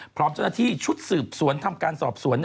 พร้อมเจ้าหน้าที่ชุดสืบสวนทำการสอบสวน